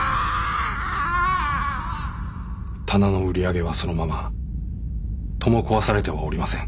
店の売り上げはそのまま戸も壊されてはおりません。